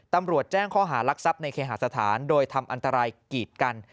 ตำรวจแจ้งข้อหารักทรัพย์ในเคหาสถานโดยทำอันตรายกีดกัน